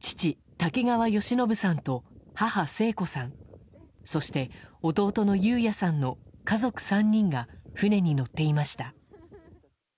父、竹川好信さんと母、生子さんそして、弟の有哉さんの家族３人が船に乗っていました。